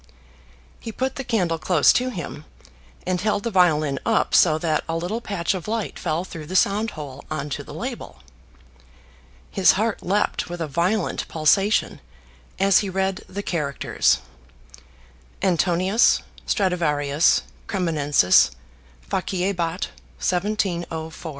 He put the candle close to him, and held the violin up so that a little patch of light fell through the sound hole on to the label. His heart leapt with a violent pulsation as he read the characters, "Antonius Stradiuarius Cremonensis faciebat, 1704."